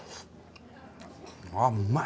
あうまい。